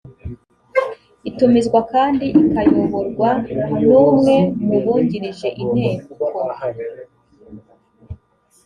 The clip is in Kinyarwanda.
itumizwa kandi ikayoborwa n umwe mu bungirije inteko